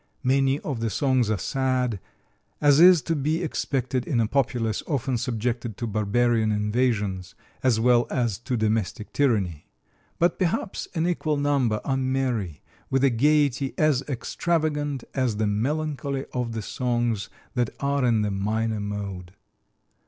Many of the songs are sad, as is to be expected in a populace often subjected to barbarian invasions, as well as to domestic tyranny; but perhaps an equal number are merry, with a gaiety as extravagant as the melancholy of the songs that are in the minor mode.